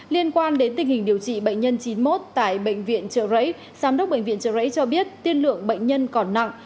liên quan đến tình hình điều trị bệnh nhân chín mươi một tại bệnh viện trợ rẫy giám đốc bệnh viện trợ rẫy cho biết tiên lượng bệnh nhân còn nặng